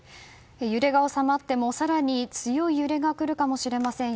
揺れが収まっても更に強い揺れが来るかもしれません。